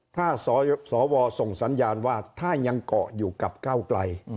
ถ้าสวส่งสัญญาณว่าถ้ายังเกาะอยู่กับก้าวไกล